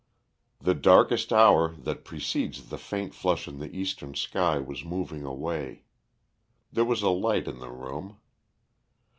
The darkest hour that precedes the faint flush in the eastern sky was moving away. There was a light in the room.